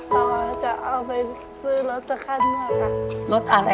ก็จะเอาไปซื้อรถสะขาดหน้าค่ะ